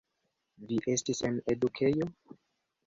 Vi estis en edukejo?